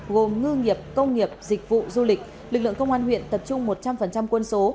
gồm ngư nghiệp công nghiệp dịch vụ du lịch lực lượng công an huyện tập trung một trăm linh quân số